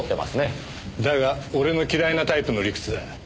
だが俺の嫌いなタイプの理屈だ。